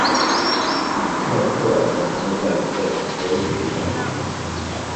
吕特克尔小时候在一个讲德语学校里学习。